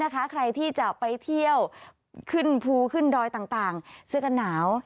ใครที่จะไปเที่ยวขึ้นภูขึ้นดอยต่างเสื้อกันหนาว